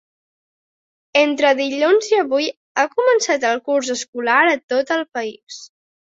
Entre dilluns i avui ha començat el curs escolar a tot el país.